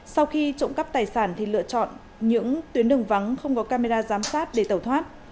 sau khi trộm cắp tài sản thì lựa chọn những tuyến đường vắng không có camera giám sát để tẩu thoát